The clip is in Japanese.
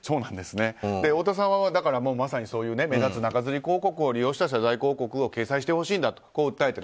太田さんはまさにそういう目立つ中づり広告を利用した謝罪広告を掲載してほしいんだと訴えている。